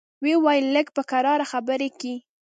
ويې ويل لږ به په کراره خبرې کيې.